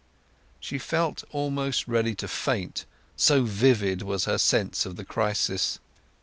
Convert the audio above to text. She felt almost ready to faint, so vivid was her sense of the crisis.